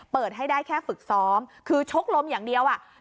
เปิดให้ได้แค่ฝึกซ้อมคือชกลมอย่างเดียวอ่ะ